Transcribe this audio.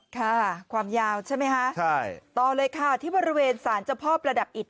ค่ะความยาวใช่ไหมคะใช่ต่อเลยค่ะที่บริเวณสารเจ้าพ่อประดับอิต